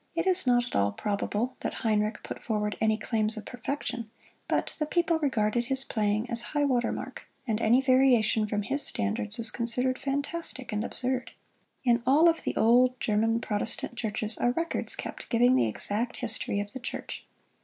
It is not at all probable that Heinrich put forward any claims of perfection, but the people regarded his playing as high water mark, and any variation from his standards was considered fantastic and absurd. In all of the old German Protestant churches are records kept giving the exact history of the church.